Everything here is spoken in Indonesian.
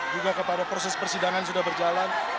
juga kepada proses persidangan sudah berjalan